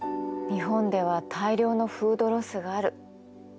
日本では大量のフードロスがある。